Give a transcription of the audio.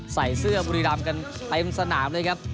ใส่เสื้อบุรีรำกันเต็มสนามเลยครับ